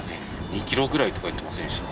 ２ｋｍくらいとか言ってませんでした？